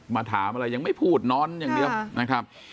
ถามอะไรยังไม่พูดนอนอย่างเดียวนะครับ